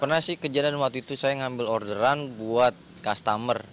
pernah sih kejadian waktu itu saya ngambil orderan buat customer